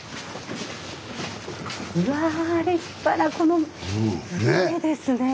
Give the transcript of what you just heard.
うわ立派なこのいいですねえ。